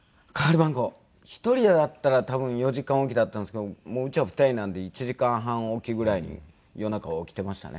１人やったら多分４時間おきだったんですけどもううちは２人なんで１時間半おきぐらいに夜中起きていましたね。